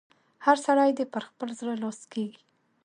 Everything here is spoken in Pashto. هر سړی دې پر خپل زړه لاس کېږي.